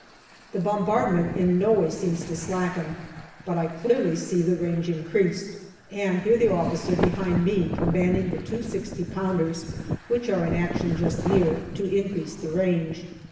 The bombardment in no way seems to slacken, but I clearly see the range increased, and hear the officer behind me commanding the two 6o pounders, which are in action just near, to increase the range.